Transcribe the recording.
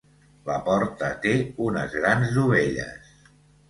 La porta té unes grans dovelles.